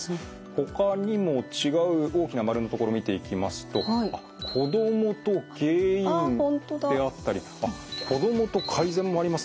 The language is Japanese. ほかにも違う大きな丸のところ見ていきますとあっ子供と原因ってあったりあっ子供と改善もありますね。